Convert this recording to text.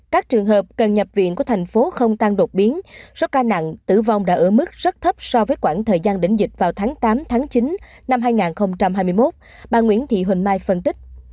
các trường hợp cần nhập viện của thành phố không tăng đột biến số ca nặng tử vong đã ở mức rất thấp so với khoảng thời gian đỉnh dịch vào tháng tám chín hai nghìn hai mươi một bà nguyễn thị huỳnh mai phân tích